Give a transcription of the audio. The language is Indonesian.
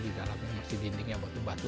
missara ingin membangun disini tapi siat tempo